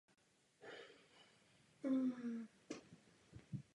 Otevírají se v noci a jsou velmi trvanlivé.